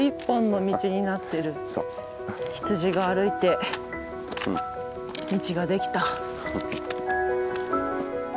羊が歩いて道ができた。